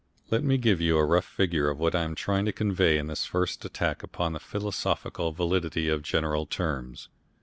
Let me give you a rough figure of what I am trying to convey in this first attack upon the philosophical validity of general terms.